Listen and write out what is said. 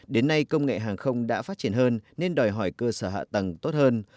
đến nay công nghệ hàng không đã phát triển hơn nên đòi hỏi cơ sở hạ tầng tốt hơn